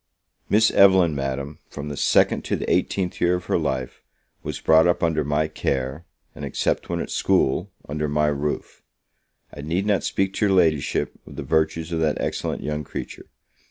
Miss Evelyn, Madam, from the second to the eighteenth year of her life, was brought up under my care, and, except when at school under my roof. I need not speak to your Ladyship of the virtues of that excellent young creature.